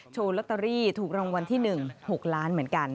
โชว์ลอตเตอรี่ถูกรางวัลที่๑๖ล้านเหมือนกัน